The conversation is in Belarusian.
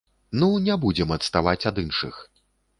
Ну, не будзем адставаць ад іншых!